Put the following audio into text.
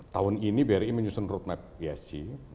tahun ini bri menyusun roadmap esg